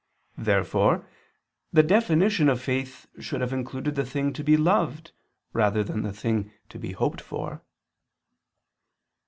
Therefore the definition of faith should have included the thing to be loved rather than the thing to be hoped for.